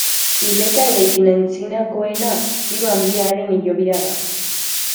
Hileta eraikin antzinakoena Ziro Handiaren hilobia da.